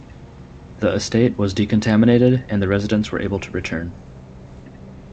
The estate was decontaminated and the residents were able to return.